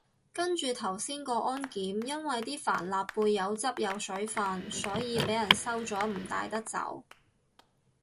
跟住頭先過安檢，因為啲帆立貝有汁有水份，所以被人收咗唔帶得走